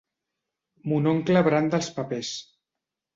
Mon oncle branda els papers.